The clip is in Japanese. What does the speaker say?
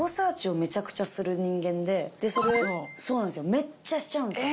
めっちゃしちゃうんですよ。